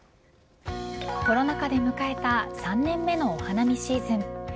コロナ禍で迎えた３年目のお花見シーズン。